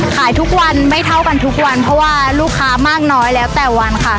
ขายทุกวันไม่เท่ากันทุกวันเพราะว่าลูกค้ามากน้อยแล้วแต่วันค่ะ